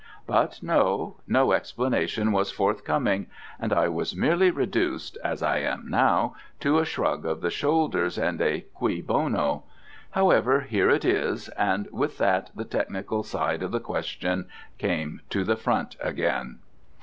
But, no! no explanation was forthcoming. And I was merely reduced, as I am now, to a shrug of the shoulders, and a cui bono. However, here it is," and with that the technical side of the question came to the front again.